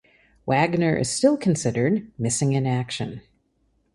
Wagner is still considered missing in action.